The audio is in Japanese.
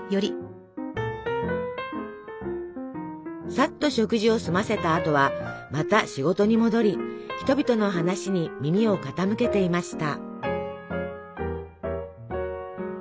さっと食事を済ませたあとはまた仕事に戻り人々の話に耳を傾けていました。